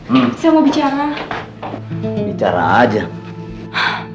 mas sebaiknya lasmini jangan tinggal di sini